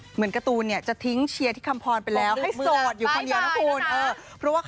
เหมือนการ์ตูนเนี่ยจะทิ้งเชียร์ที่คำพรไปแล้ว